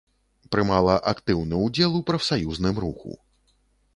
Прымала актыўны ўдзел у прафсаюзным руху.